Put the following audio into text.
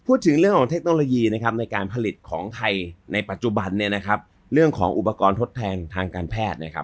พูดถึงเรื่องเทคโนโลยีในการผลิตของไทยในปัจจุบันเรื่องของอุปกรณ์ทดแพงทางการแพทย์